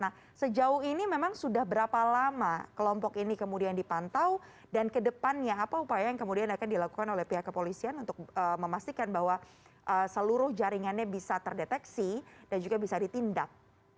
nah sejauh ini memang sudah berapa lama kelompok ini kemudian dipantau dan kedepannya apa upaya yang kemudian akan dilakukan oleh pihak kepolisian untuk memastikan bahwa seluruh jaringannya bisa terdeteksi dan juga bisa ditindak